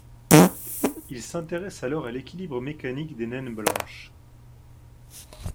Il s'intéresse alors à l'équilibre mécaniques des naines blanches.